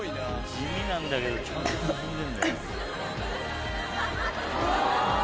地味なんだけどちゃんと進んでんだよ。